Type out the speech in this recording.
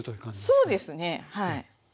そうですねはい。